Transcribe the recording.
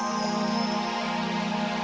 untung ada kamu